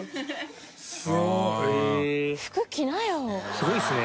すごいですね。